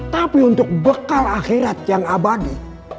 tapi untuk bekal akhirat yang abadi